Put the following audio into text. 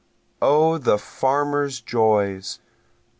O the farmer's joys!